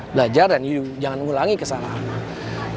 belajar dan jangan mengulangi kesalahan